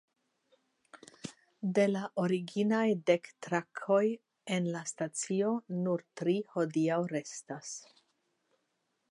De la originaj dek trakoj en la stacio nur tri hodiaŭ restas.